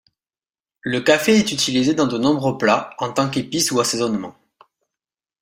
Le café est utilisé dans de nombreux plats en tant qu'épice ou assaisonnement.